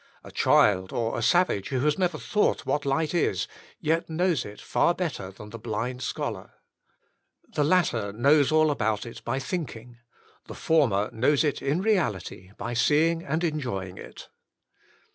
A child, or a savage, who has never thought what light is, yet knows it far better than the blind scholar. The latters knows all about it by thinking; the former knows it in reality by seeing and enjoying it.